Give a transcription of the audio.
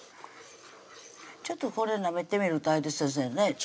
ちょっとこれなめてみるとあれですよね